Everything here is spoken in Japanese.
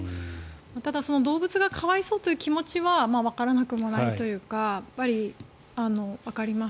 ただ動物が可哀想という気持ちはわからなくもないというかわかります。